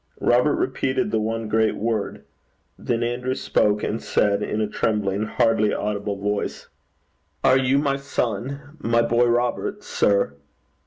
Robert repeated the one great word. Then Andrew spoke, and said in a trembling, hardly audible voice, 'Are you my son? my boy Robert, sir?'